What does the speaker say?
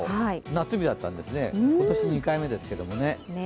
夏日だったんですね、今年２回目だったんですけどね。